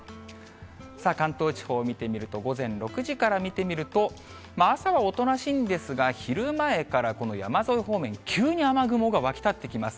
さあ、関東地方を見てみると、午前６時から見てみると、朝はおとなしいんですが、昼前からこの山沿い方面、急に雨雲が湧きたってきます。